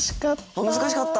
あっ難しかった？